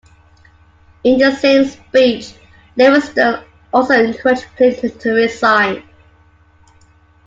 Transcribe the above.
In the same speech, Livingston also encouraged Clinton to resign.